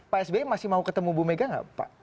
pak sb masih mau ketemu bu mega gak pak